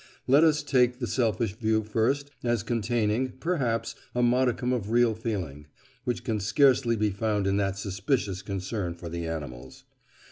Let us take the selfish view first, as containing, perhaps, a modicum of real feeling, which can scarcely be found in that suspicious concern for the animals.